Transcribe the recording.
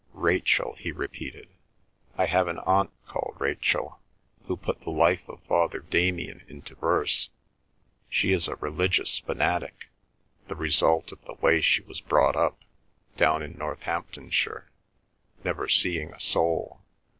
"Rachel," he repeated. "I have an aunt called Rachel, who put the life of Father Damien into verse. She is a religious fanatic—the result of the way she was brought up, down in Northamptonshire, never seeing a soul.